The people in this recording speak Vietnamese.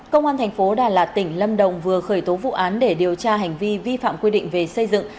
công an thành phố đà lạt tỉnh lâm đồng vừa khởi tố vụ án để điều tra hành vi vi phạm quy định về xây dựng